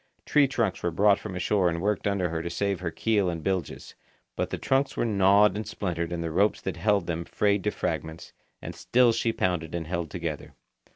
Tree trunks were brought from ashore and worked under her to save her keel and bilges, but the trunks were gnawed and splintered and the ropes that held them frayed to fragments, and still she pounded and held together.